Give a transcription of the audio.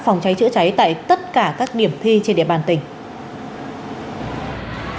phòng cháy chữa cháy tại tất cả các điểm thi trên địa bàn tỉnh